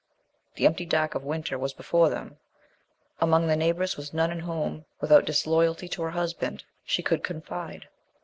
The empty dark of winter was before them. Among the neighbors was none in whom, without disloyalty to her husband, she could confide.